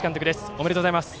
おめでとうございます。